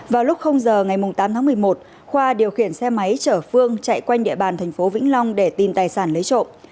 vào lúc giờ ngày tám tháng một mươi một khoa điều khiển xe máy chở phương chạy quanh địa bàn thành phố vĩnh long để tìm tài sản lấy trộm